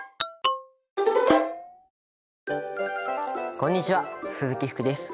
こんにちは鈴木福です。